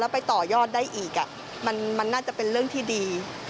ไปต่อยอดได้อีกมันน่าจะเป็นเรื่องที่ดี